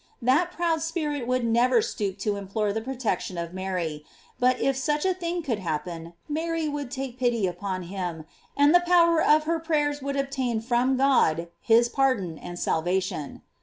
J That proud spirit would never stoop to implore the protec tion of Mary, but if such a thing could happen, Mary would take pity upon him, and the power of her prayers would obtain from God his par don and salvation.